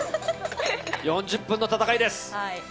４０分の戦いです。